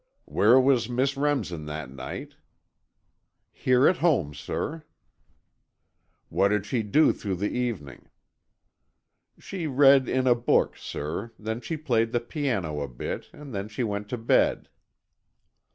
"Where was Miss Remsen that night?" "Here at home, sir." "What did she do through the evening?" "She read in a book, sir, then she played the piano a bit and then she went to bed."